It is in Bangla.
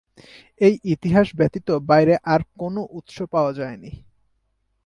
এই ইতিহাস ব্যতীত বাইরে আর কোন উৎস পাওয়া যায়নি।